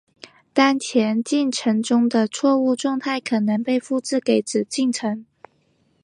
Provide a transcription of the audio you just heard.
当前进程中的错误状态可能被复制给子进程。